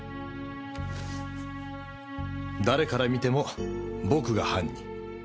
誰から見ても僕が犯人。